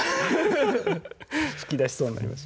吹き出しそうになりました